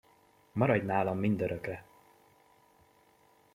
Maradj nálam mindörökre!